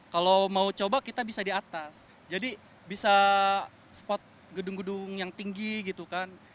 kalau mau coba kita bisa di atas jadi bisa spot gedung gedung yang tinggi gitu kan